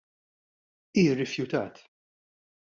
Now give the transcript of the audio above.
Hi rrifjutat.